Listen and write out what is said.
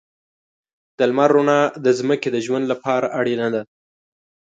د لمر رڼا د ځمکې د ژوند لپاره اړینه ده.